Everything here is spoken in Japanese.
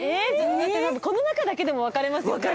この中だけでも分かれますよね。